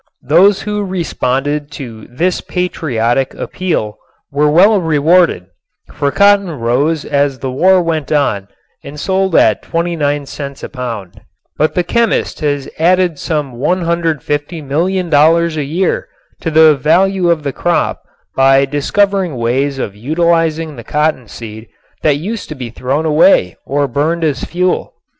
Those who responded to this patriotic appeal were well rewarded, for cotton rose as the war went on and sold at twenty nine cents a pound. [ILLUSTRATION: PRODUCTS AND USES OF COTTONSEED] But the chemist has added some $150,000,000 a year to the value of the crop by discovering ways of utilizing the cottonseed that used to be thrown away or burned as fuel.